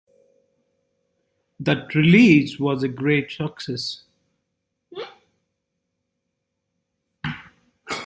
The release was a great success.